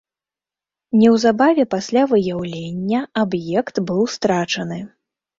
Неўзабаве пасля выяўлення аб'ект быў страчаны.